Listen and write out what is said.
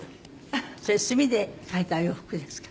それ墨で描いたお洋服ですか？